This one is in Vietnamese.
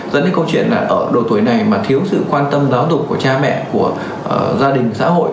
dẫn đến câu chuyện là ở độ tuổi này mà thiếu sự quan tâm giáo dục của cha mẹ của gia đình xã hội